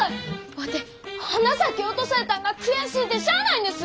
ワテ花咲落とされたんが悔しゅうてしゃあないんです！